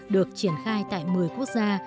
được triển khai tại một mươi quốc gia